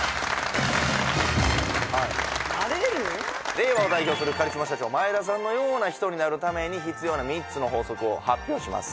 令和を代表するカリスマ社長前田さんのような人になるために必要な３つの法則を発表します